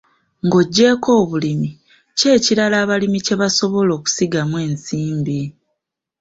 Ng'oggyeko obulimi, ki ekirala abalimi kye basobola okusigamu ensimbi?